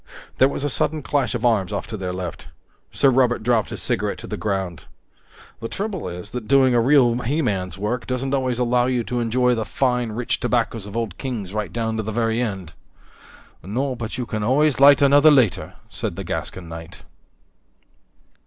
There was a sudden clash of arms off to their left. Sir Robert dropped his cigarette to the ground. "The trouble is that doing a real he man's work doesn't always allow you to enjoy the fine, rich tobaccos of Old Kings right down to the very end." "No, but you can always light another later," said the Gascon knight.